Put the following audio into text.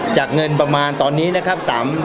เงินประมาณตอนนี้นะครับ